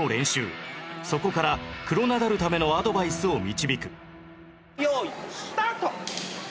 そこからクロナダるためのアドバイスを導く用意スタート。